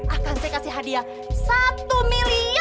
akan saya kasih hadiah satu miliar